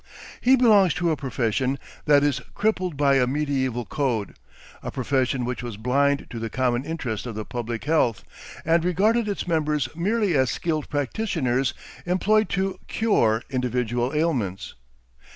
He belongs to a profession that is crippled by a mediaeval code, a profession which was blind to the common interest of the Public Health and regarded its members merely as skilled practitioners employed to "cure" individual ailments.